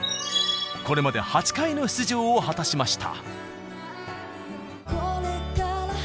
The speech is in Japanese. これまで８回の出場を果たしました。